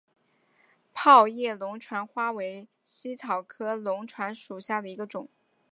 泡叶龙船花为茜草科龙船花属下的一个种。